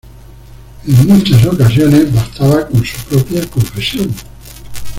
En muchas ocasiones bastaba con su propia confesión.